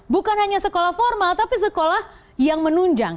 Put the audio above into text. bukan hanya sekolah formal tapi sekolah yang menunjang